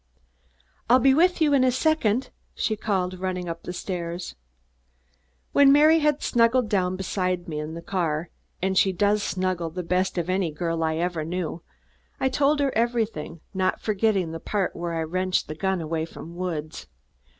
"I'll be with you in a second," she called, running up stairs. When Mary was snuggled down beside me in the car and she does snuggle the best of any girl I ever knew I told her everything, not forgetting the part where I wrenched the gun away from Woods.